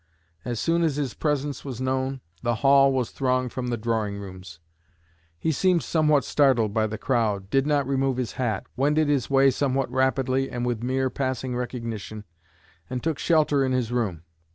As soon as his presence was known, the hall was thronged from the drawing rooms. He seemed somewhat startled by the crowd, did not remove his hat, wended his way somewhat rapidly and with mere passing recognition, and took shelter in his room.